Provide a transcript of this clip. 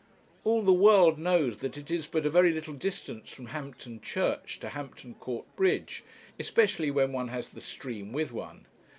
All the world knows that it is but a very little distance from Hampton Church to Hampton Court Bridge, especially when one has the stream with one.